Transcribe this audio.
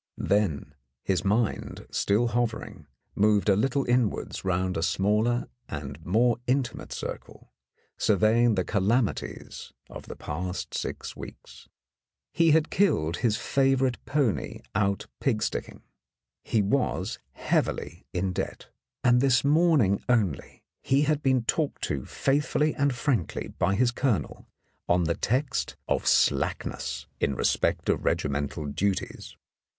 Then his mind, still hovering, moved a little inwards round a smaller and more intimate circle, surveying the calamities of the past six weeks. He had killed his favourite pony out pig sticking, he was heavily in debt, and this morning only he had been talked to faithfully and frankly by his colonel on the text of slackness in respect of regimental duties.